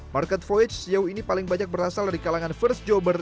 market voyage sejauh ini paling banyak berasal dari kalangan first jobber